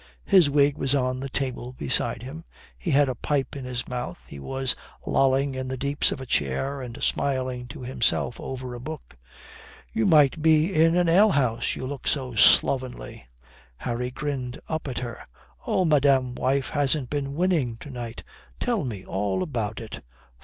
His wig was on the table beside him. He had a pipe in his mouth. He was lolling in the deeps of a chair and smiling to himself over a book. "You might be in an ale house, you look so slovenly." Harry grinned up at her. "Oh, madame wife hasn't been winning to night. Tell me all about it."